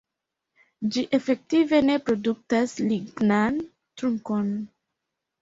Ĝi efektive ne produktas lignan trunkon.